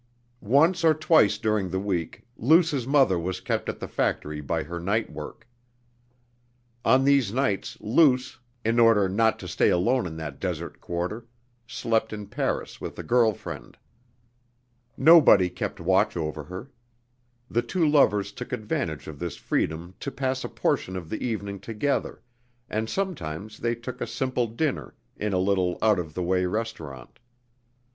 Once or twice during the week Luce's mother was kept at the factory by her night work. On these nights Luce, in order not to stay alone in that desert quarter, slept in Paris with a girl friend. Nobody kept watch over her. The two lovers took advantage of this freedom to pass a portion of the evening together and sometimes they took a simple dinner in a little out of the way restaurant.